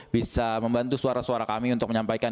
bisa membantu suara suara kami untuk menyampaikan